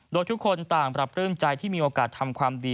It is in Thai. โดยทุกคนต่างปรับปลื้มใจที่มีโอกาสทำความดี